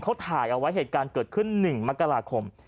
เขาถ่ายเอาไว้เหตุการณ์เกิดขึ้น๑มกราคม